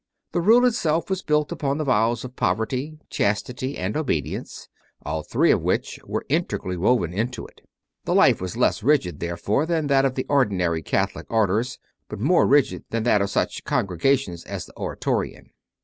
The Rule it self was built upon the vows of poverty, chastity, and obedience, all three of which were integrally woven into it. The life was less rigid, therefore, than that of the ordinary Catholic Orders, but more rigid than that of such Congregations as the Oratorian.